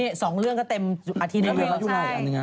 นี่สองเรื่องก็เต็มอาทิตย์ในวัน